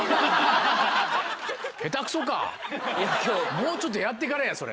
もうちょっとやってからやそれ。